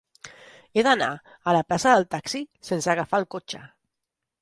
He d'anar a la plaça del Taxi sense agafar el cotxe.